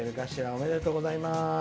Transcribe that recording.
おめでとうございます。